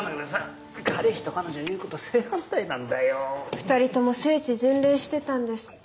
２人とも聖地巡礼してたんですって。